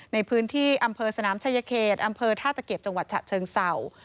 ในพื้นที่อำเภอสนามชะยะเขรตอำเภอท่าตะเกียบจังหวัดเฉอร์เซา